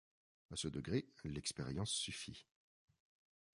À ce degré, l'expérience suffit.